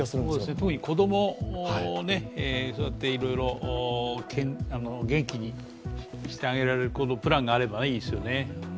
特に子供をいろいろ元気にしてあげられるプランがあればいいですよね。